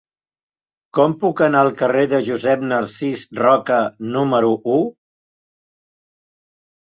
Com puc anar al carrer de Josep Narcís Roca número u?